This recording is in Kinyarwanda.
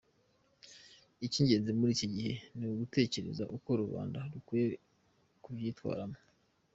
Icy’ingenzi muri iki gihe ni ugutekereza uko rubanda rukwiriye kubyitwaramo.